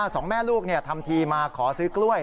สองแม่ลูกทำทีมาขอซื้อกล้วย